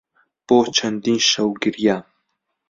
بۆ چەندین شەو گریام.